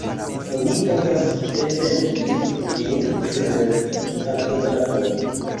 Oni povas etendi ĝin per aldonaĵoj.